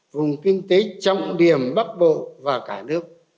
vùng kinh tế trọng điểm bắc bộ và cả nước